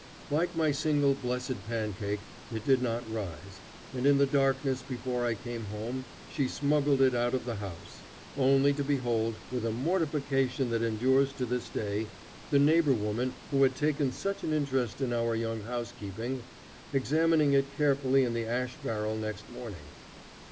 Like my single blessed pancake, it did not rise, and in the darkness before I came home she smuggled it out of the house; only to behold, with a mortification that endures to this day, the neighbor woman who had taken such an interest in our young housekeeping, examining it carefully in the ash barrel next morning.